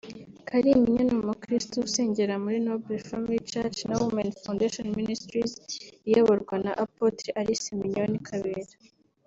Kalimpinya ni umukristo usengera muri Noble Family church na Women Foundation Ministries iyoborwa na Apotre Alice Mignone Kabera